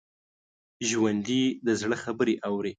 ژوندي د زړه خبرې اوري